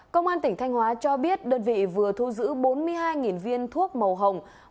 công an tỉnh thanh hóa cho biết đơn vị vừa thu giữ bốn mươi hai viên thuốc màu hồng